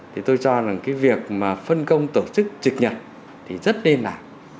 thì tôi cho là cái việc mà phân công tổ chức trực nhật thì rất đêm lạ